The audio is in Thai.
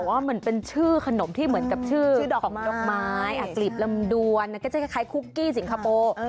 แต่ว่ามันเป็นชื่อขนมที่เหมือนกับชื่อโดกไม้หลีบลำดวนมันก็จะคล้ายกับคุกกี้สิงคโปร์